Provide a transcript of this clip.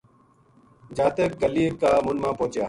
جاتک گلی کا مُنڈھ ما پوہچیا